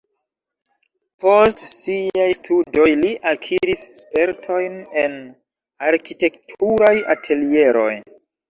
Post siaj studoj li akiris spertojn en arkitekturaj atelieroj.